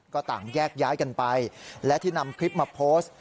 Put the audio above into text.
ก็ต่างแยกย้ายกันไปและที่นำคลิปมาโพสต์